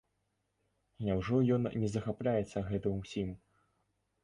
Няўжо ён не захапляецца гэтым усім?